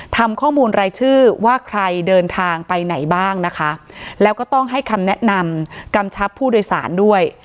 ทำข้อมูลรายชื่อว่าใครเดินทางไปไหนบ้างนะคะแล้วก็ต้องให้คำแนะนำกำชับผู้โดยสารด้วย